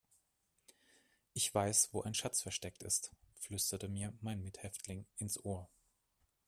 Ich weiß, wo ein Schatz versteckt ist, flüsterte mir mein Mithäftling ins Ohr.